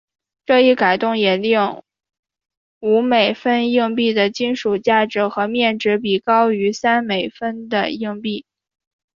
这一改动也令五美分硬币的金属价值和面值比高于三美分硬币。